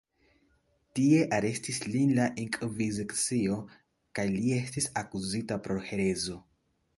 Tie arestis lin la inkvizicio kaj li estis akuzita pro herezo.